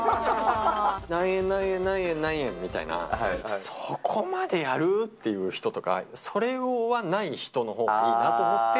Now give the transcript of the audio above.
何円、何円、何円、何円みたいな、そこまでやる？っていう人とか、それはない人のほうがいいなと思って。